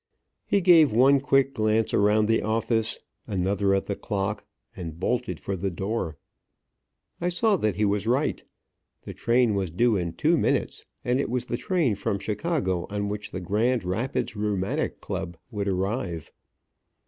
He gave one quick glance around the office, another at the clock, and bolted for the door. I saw that he was right. The train was due in two minutes; and it was the train from Chicago on which the Grand Rapids Rheumatic Club would arrive.